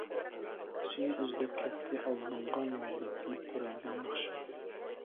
سېنى ئىزدەپ كەتتى ئالدىڭغا مۇھەببەتتىن تۆرەلگەن ناخشام.